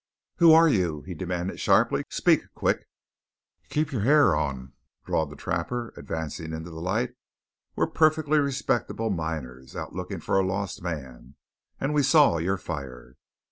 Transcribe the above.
"Who are you?" he demanded sharply. "Speak quick!" "Keep yore ha'r on!" drawled the trapper, advancing into the light. "We're perfectly respectable miners, out looking for a lost man; and we saw yore fire."